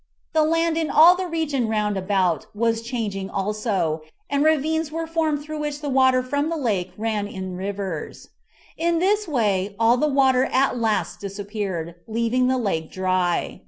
The land in all the region round about was changing also, and ravines were formed through which the water from the lake ran in rivers. In this way all the water at last disappeared, leaving the lake dry.